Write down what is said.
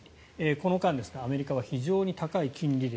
この間アメリカは非常に高い金利で